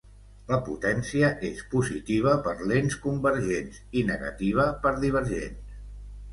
La potència és positiva per lents convergents i negativa per divergents.